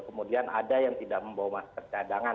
kemudian ada yang tidak membawa masker cadangan